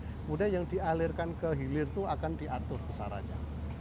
kemudian yang dialirkan ke hilir itu akan diatur besarannya